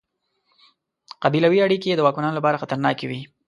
قبیلوي اړیکې یې د واکمنانو لپاره خطرناکې وې.